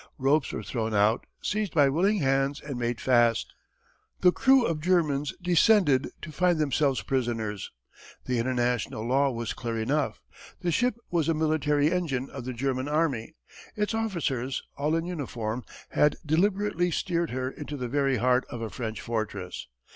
Ropes were thrown out, seized by willing hands and made fast. The crew of Germans descended to find themselves prisoners. The international law was clear enough. The ship was a military engine of the German army. Its officers, all in uniform, had deliberately steered her into the very heart of a French fortress.